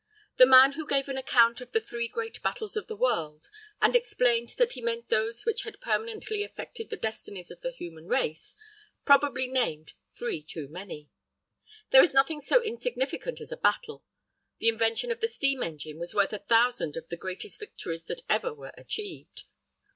The man who gave an account of the three great battles of the world, and explained that he meant those which had permanently affected the destinies of the human race, probably named three too many. There is nothing so insignificant as a battle. The invention of the steam engine was worth a thousand of the greatest victories that ever were achieved.